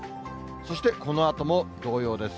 そしてこのあとも同様です。